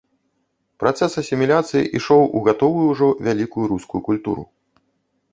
Працэс асіміляцыі ішоў у гатовую ўжо вялікую рускую культуру.